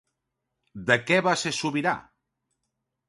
De què va ser sobirà?